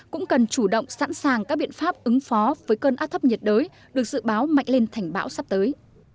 cũng cần chủ động sẵn sàng các biện pháp ứng phó với cơn áp thấp nhiệt đới được dự báo mạnh lên thành bão sắp tới